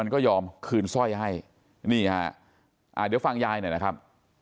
นี่ค่ะเดี๋ยวฟังยายหน่อยนะครับ